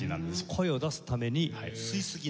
声を出すために吸いすぎない。